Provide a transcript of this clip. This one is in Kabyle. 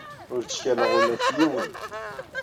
Ur ttkaleɣ ula ɣef yiwen.